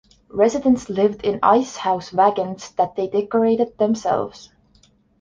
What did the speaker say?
Residents lived in ice house wagons that they decorated themselves.